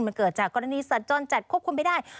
มันเกิดจากกรณีสัตว์จรจัดควบคุมไม่ได้